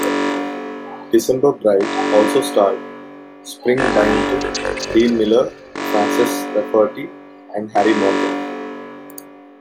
"December Bride" also starred Spring Byington, Dean Miller, Frances Rafferty, and Harry Morgan.